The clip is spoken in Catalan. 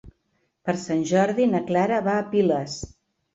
Per Sant Jordi na Clara va a Piles.